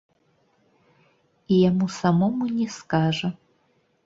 І яму самому не скажа.